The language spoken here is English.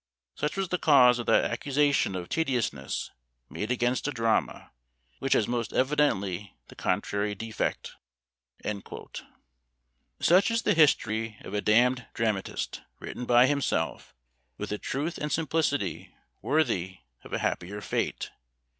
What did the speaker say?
Such was the cause of that accusation of tediousness made against a drama, which has most evidently the contrary defect!" Such is the history of a damned dramatist, written by himself, with a truth and simplicity worthy of a happier fate.